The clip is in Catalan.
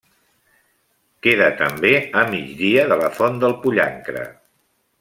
Queda també a migdia de la Font del Pollancre.